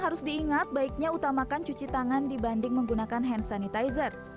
harus diingat baiknya utamakan cuci tangan dibanding menggunakan hand sanitizer